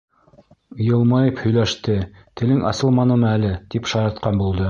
Йылмайып һөйләште, телең асылманымы әле, тип шаяртҡан булды.